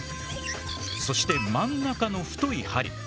そして真ん中の太い針。